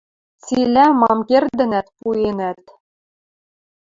Цилӓ, мам кердӹнӓт, пуэнӓт.